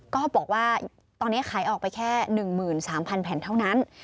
ก็บอกว่าตอนนี้ขายออกไปแค่๑๓๐๐แผ่นเท่านั้น